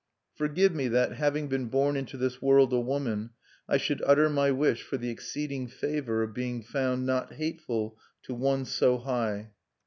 Forgive me that, having been born into this world a woman, I should utter my wish for the exceeding favor of being found not hateful to one so high.